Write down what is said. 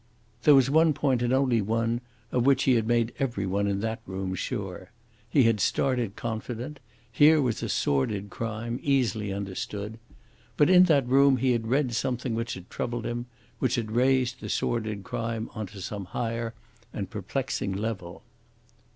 There was one point, and only one, of which he had made every one in that room sure. He had started confident. Here was a sordid crime, easily understood. But in that room he had read something which had troubled him, which had raised the sordid crime on to some higher and perplexing level.